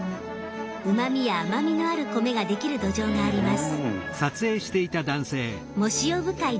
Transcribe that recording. うまみや甘みのある米ができる土壌があります。